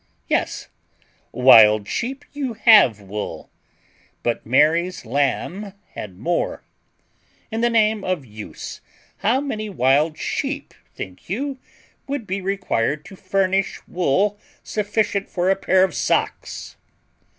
"Yes, wild sheep, you HAVE wool; but Mary's lamb had more. In the name of use, how many wild sheep, think you, would be required to furnish wool sufficient for a pair of socks?"